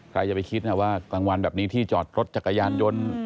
ใครจะไปคิดนะว่ากลางวันแบบนี้ที่จอดรถจักรยานยนต์